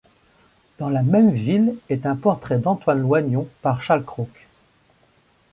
Dans la même ville est un portrait d'Antoine Loignon par Charles Crauk.